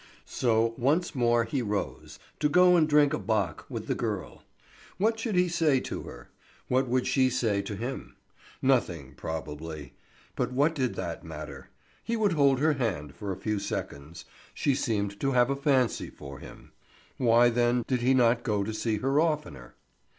So once more he rose, to go and drink a bock with the girl. What should he say to her? What would she say to him? Nothing, probably. But what did that matter? He would hold her hand for a few seconds. She seemed to have a fancy for him. Why, then, did he not go to see her oftener?